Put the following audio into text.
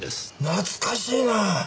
懐かしいな！